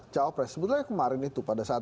cawapres sebetulnya kemarin itu pada saat